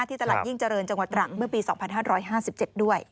ตลาดยิ่งเจริญจังหวัดตรังเมื่อปี๒๕๕๗ด้วย